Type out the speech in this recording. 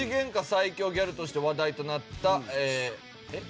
最強ギャルとして話題となったええーえっ？